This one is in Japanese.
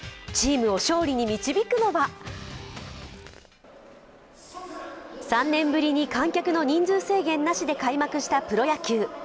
チームを勝利に導くのは３年ぶりに観客の人数制限なしで開幕したプロ野球。